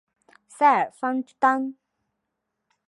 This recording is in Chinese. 塞尔方丹。